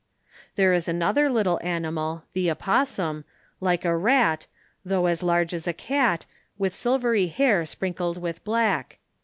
There is another little animal (the opposum) like a rat, though as large as a cat, with silvery hair sprinkled with black.